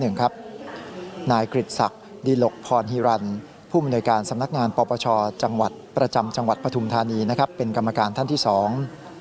นายกฤษักร์ดิหลกพรฮิรันทร์ผู้มนุยการสำนักงานปประชาวประจำจังหวัดพทุมธานีเป็นกรรมการท่านที่สอง